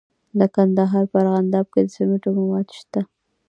د کندهار په ارغنداب کې د سمنټو مواد شته.